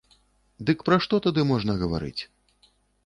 Дык пра што тады можна гаварыць.